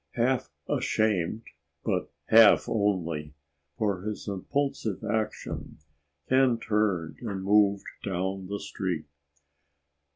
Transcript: Half ashamed, but half only, for his impulsive action, Ken turned and moved down the street.